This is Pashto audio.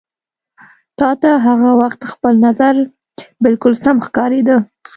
تا ته هغه وخت خپل نظر بالکل سم ښکارېده.